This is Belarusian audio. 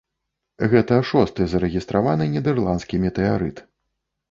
Гэта шосты зарэгістраваны нідэрландскі метэарыт.